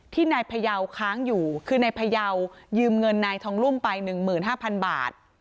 ที่นายพยาวค้างอยู่คือนายพยาวยืมเงินนายทองรุ่มไปหนึ่งหมื่นห้าพันบาท